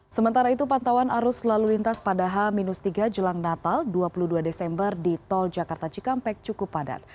sementara itu pantauan arus lalu lintas pada h tiga jelang natal dua puluh dua desember di tol jakarta cikampek cukup padat